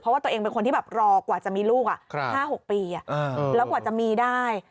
เพราะว่าตัวเองเป็นคนที่แบบรอกว่าจะมีลูก๕๖ปีแล้วกว่าจะมีได้